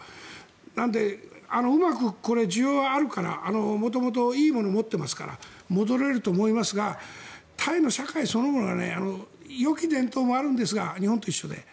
なので、うまく需要はあるから元々、いいものを持っていますから戻れると思いますがタイの社会そのものがよき伝統もあるんですが日本と一緒で。